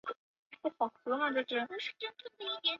阮廷闻是清化省河中府弘化县沛泽总凤亭社出生。